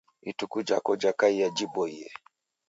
Ituku jako jikaie jiboiye